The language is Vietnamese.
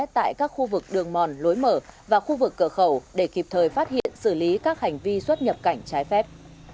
tại các khu vực đường mòn lối mở và khu vực cửa khẩu để kịp thời phát hiện xử lý các hành vi xuất nhập cảnh trái phép